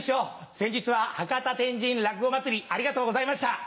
先日は博多・天神落語まつりありがとうございました。